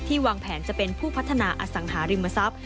วางแผนจะเป็นผู้พัฒนาอสังหาริมทรัพย์